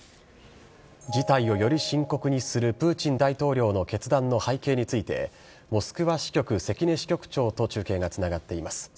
事態をより深刻にするプーチン大統領の決断の背景について、モスクワ支局、関根支局長と中継がつながっています。